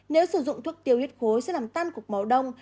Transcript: nếu sử dụng thuốc tiêu huyết khối sẽ làm tan cục máu đông